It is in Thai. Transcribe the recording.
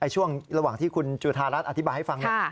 ช่วงระหว่างที่คุณจุธารัฐอธิบายให้ฟัง